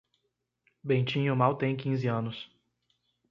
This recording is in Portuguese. Bentinho mal tem quinze anos.